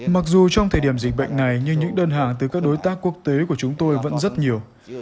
mặc dù trong thời điểm dịch bệnh này nhưng những đơn hàng từ các đối tác quốc tế của chúng tôi vẫn rất nhiều